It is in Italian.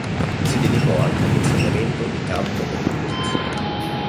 Si dedicò anche all'insegnamento di canto e composizione.